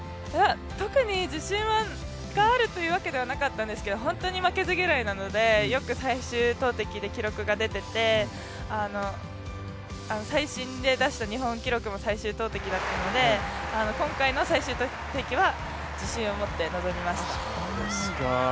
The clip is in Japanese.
特に自信があるというわけではなかったんですけど本当に負けず嫌いなので、よく最終投てきで記録が出てて最新で出した日本記録も最終投てきだったので今回の最終投てきは自信を持って臨みました。